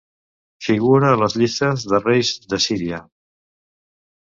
Figura a les llistes de reis d'Assíria.